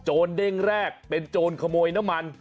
เด้งแรกเป็นโจรขโมยน้ำมัน